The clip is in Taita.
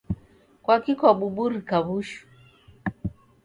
Kwaki kwabuburika w'ushu?